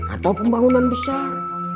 atau pembangunan besar